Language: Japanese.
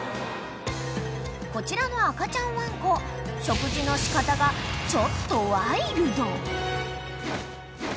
［こちらの赤ちゃんワンコ食事の仕方がちょっとワイルド］